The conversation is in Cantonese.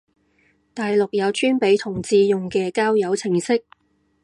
大陸有專俾同志用嘅交友程式？